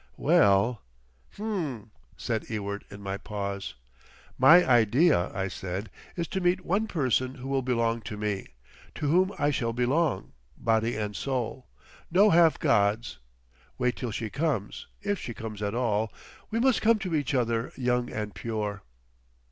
"Well" "H'm," said Ewart, in my pause. "My idea," I said, "is to meet one person who will belong to me—to whom I shall belong—body and soul. No half gods! Wait till she comes. If she comes at all.... We must come to each other young and pure."